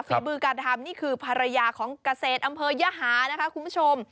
ฝีมือการทำนี่คือภรรยาของเกษตรอำเภอยหานะคะคุณผู้ชม